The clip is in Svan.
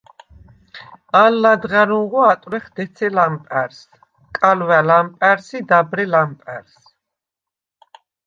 ალ ლადღა̈რუნღო ატვრეხ დეცე ლამპა̈რს, კალვა̈ ლამპა̈რს ი დაბრე ლამპა̈რს.